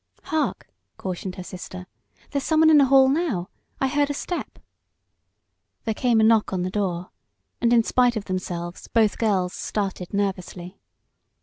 "Hark!" cautioned her sister. "There's someone in the hall now. I heard a step " There came a knock on the door, and in spite of themselves both girls started nervously.